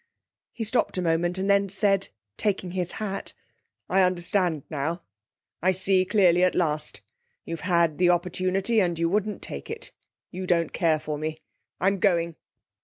He stopped a moment, and then said, taking his hat: 'I understand now. I see clearly at last. You've had the opportunity and you wouldn't take it; you don't care for me. I'm going.'